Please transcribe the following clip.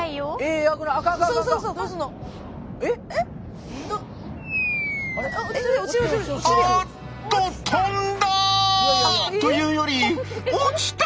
えっ⁉あっと飛んだ！というより落ちた！